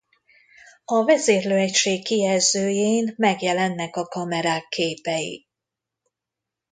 A vezérlő egység kijelzőjén megjelennek a kamerák képei.